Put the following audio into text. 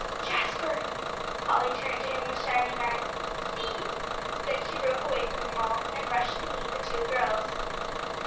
"Jasper" Polly turned to him with shining eyes "see!" Then she broke away from them all, and rushed to meet the two girls.